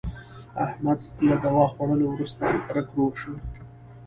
احمد له دوا خوړلو ورسته رک روغ شو.